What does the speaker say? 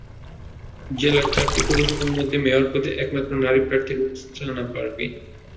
জেলার চারটি পৌরসভার মধ্যে মেয়র পদে একমাত্র নারী প্রার্থী রোকসানা পারভীন।